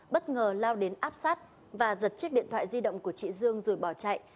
bất ngờ lao đến áp sát và giật chiếc điện thoại di động của chị dương rồi bỏ chạy